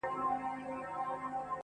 • قاسم یار مین پر داسي جانانه دی..